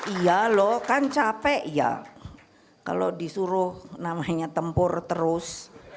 iya loh kan capek ya kalau disuruh namanya tempur terus